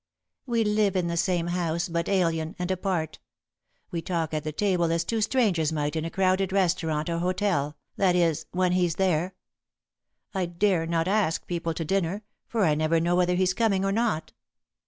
"We live in the same house, but alien and apart. We talk at the table as two strangers might in a crowded restaurant or hotel, that is, when he's there. I dare not ask people to dinner, for I never know whether he's coming or not.